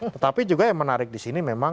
tetapi juga yang menarik di sini memang